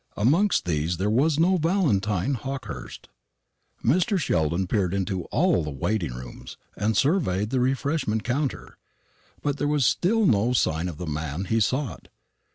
Amongst these there was no Valentine Hawkehurst. Mr. Sheldon peered into all the waiting rooms, and surveyed the refreshment counter; but there was still no sign of the man he sought.